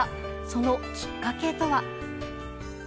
そのきっかけとは。